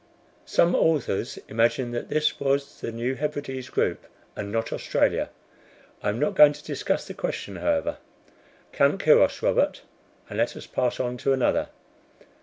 Some authors imagine that this was the New Hebrides group, and not Australia. I am not going to discuss the question, however. Count Quiros, Robert, and let us pass on to another."